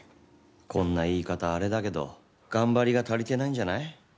こんな言い方、あれだけど、頑張りが足りてないんじゃない。